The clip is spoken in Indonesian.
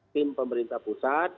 tim pemerintah pusat